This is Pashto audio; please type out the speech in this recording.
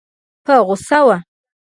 په غوسه وه.